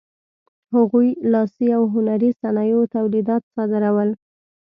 هغوی لاسي او هنري صنایعو تولیدات صادرول.